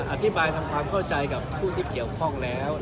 อธิบายทำความเข้าใจกับผู้ที่เกี่ยวข้องแล้ว